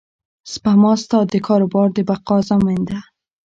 سپما ستا د کاروبار د بقا ضامن ده.